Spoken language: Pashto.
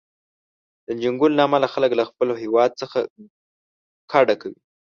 د جنګونو له امله خلک له خپل هیواد څخه کډه کوي.